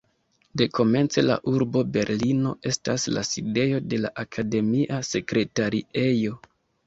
Dekomence la urbo Berlino estas la sidejo de la akademia sekretariejo.